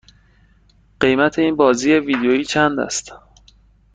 قیمت این بازی ویدیویی چند است؟